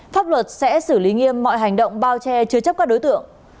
pháp luật sẽ xử lý nghiêm mọi hành động bao che chứa chấp các đối tượng